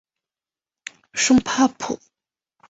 圣帕普。